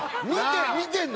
見てんの？